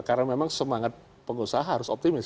karena memang semangat pengusaha harus optimis